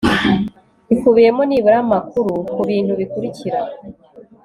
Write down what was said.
ikubiyemo nibura amakuru ku bintu bikurikira